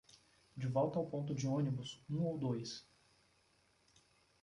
De volta ao ponto de ônibus um ou dois